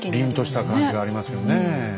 りんとした感じがありますよねえ。